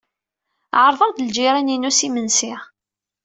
Ɛerḍeɣ-d ljiran-inu s imensi.